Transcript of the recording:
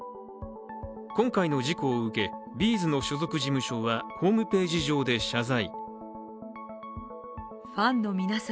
今回の事故を受け、Ｂ’ｚの所属事務所はホームページ上で謝罪。